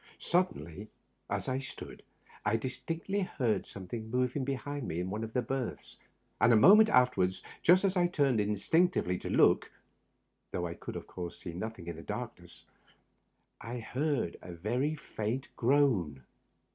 Suddenly, as I stood, I distinctly heard something moving behind me in one of the berths, and a moment afterward, just as I tinned instinctively to look — though I could of course see nothing in the darkness — I heard a very faint groan.